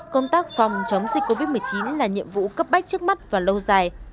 công tác phòng chống dịch covid một mươi chín là nhiệm vụ cấp bách trước mắt và lâu dài